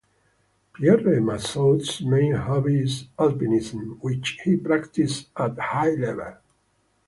Pierre Mazeaud's main hobby is alpinism, which he practiced at high level.